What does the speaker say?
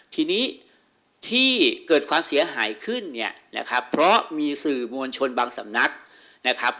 ทีนี้ที่เกิดความเสียหายขึ้นเนี่ยนะครับเพราะมีสื่อมวลชนบางสำนักนะครับ